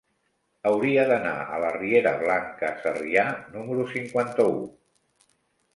Hauria d'anar a la riera Blanca Sarrià número cinquanta-u.